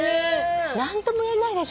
何ともいえないでしょ